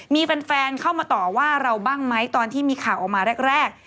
มีแฟนเข้ามาต่อว่าเราบ้างไหมตอนที่มีข่าวออกมาแรก